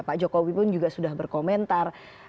pak jokowi pun juga sudah berkomentar